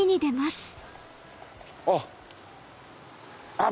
あっ！